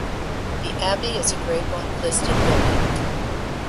The Abbey is a Grade One listed building.